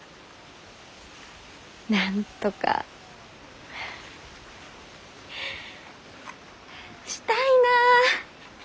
なんとかしたいなあ。